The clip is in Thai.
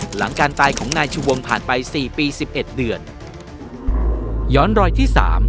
หลังการตายของนายชูวงผ่านไปสี่ปีสิบเอ็ดเดือนย้อนรอยที่สาม